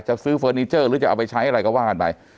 จะซื้อเฟอร์นิเจอร์หรือจะเอาไปใช้อะไรก็ว่ากันไป